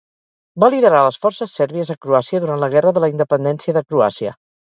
Va liderar les forces sèrbies a Croàcia durant la Guerra de la Independència de Croàcia.